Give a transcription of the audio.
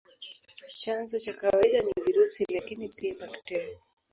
Chanzo cha kawaida ni virusi, lakini pia bakteria.